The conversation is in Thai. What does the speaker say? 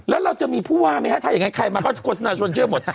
แล้วเราจะมีผู้ว่าไหมฮะถ้าอย่างนั้นใครมาก็จะโฆษณาชวนเชื่อหมด